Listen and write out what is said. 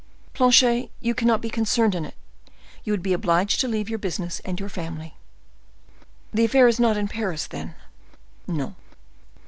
"Planchet, you cannot be concerned in it; you would be obliged to leave your business and your family." "The affair is not in Paris, then." "No."